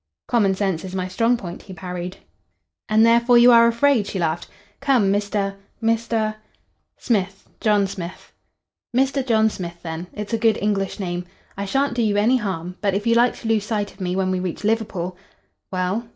"Common sense is my strong point," he parried. "And therefore you are afraid," she laughed. "Come Mr. Mr. " "Smith John Smith." "Mr. John Smith, then. It's a good English name. I shan't do you any harm. But if you like to lose sight of me when we reach Liverpool " "Well?"